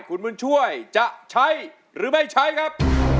คุณบุญช่วยจะใช้หรือไม่ใช้ครับ